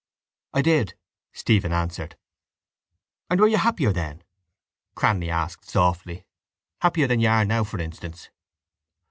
—I did, Stephen answered. —And were you happier then? Cranly asked softly, happier than you are now, for instance?